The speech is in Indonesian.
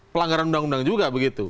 pelanggaran undang undang juga begitu